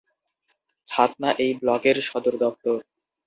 ছাতনা এই ব্লকের সদর দফতর।